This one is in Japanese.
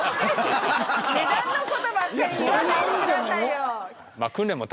値段のことばっかり言わないで下さいよ。